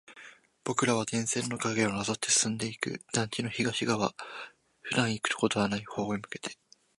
僕らは電線の影をなぞって進んでいく。団地の東側、普段行くことはない方に向けて。